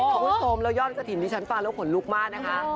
คุณผู้ชมแล้วยอดกระถิ่นที่ฉันฟังแล้วขนลุกมากนะคะ